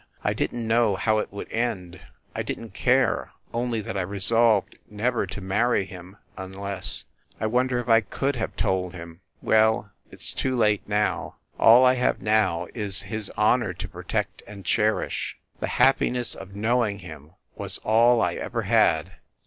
... I didn t know how it would end I didn t care, only that I resolved never to marry him unless ... I wonder if I could have told him ?... Well, it s too late now ... All I have now is his honor to protect and cherish. The happiness of knowing him was all I ever had.